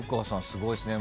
すごいっすね。